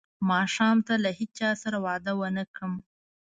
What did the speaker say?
ماښام ته له هیچا سره وعده ونه کړم.